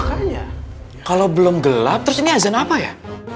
makanya kalau belum gelap terus ini azan apa ya